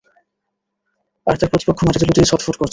আর তাঁর প্রতিপক্ষ মাটিতে লুটিয়ে ছটফট করছে।